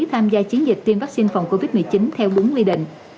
tham gia chiến dịch tiêm vaccine phòng covid một mươi chín theo đúng quy định